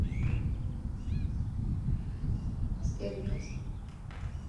Serigrafiak egiteko, eskuzko makinak erabiltzen ditu.